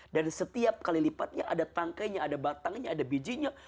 dan setiap kali lipatnya ada tangkainya ada batangnya ada bijinya